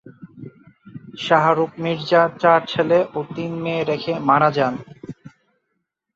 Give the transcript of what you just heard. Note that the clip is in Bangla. শাহরুখ মির্জা চার ছেলে ও তিন মেয়ে রেখে মারা যান।